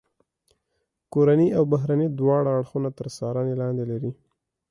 کورني او بهرني دواړه اړخونه تر څارنې لاندې لري.